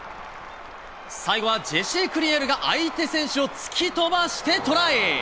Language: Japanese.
最後はジェシー・クリエルが相手選手を突き飛ばしてトライ。